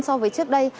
so với trước đây